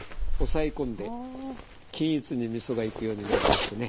均一にみそがいくようになりますね。